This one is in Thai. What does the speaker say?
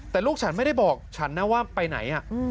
แต่ลูกฉันไม่ได้บอกฉันนะว่าไปไหน